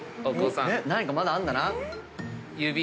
何かまだあるんだな。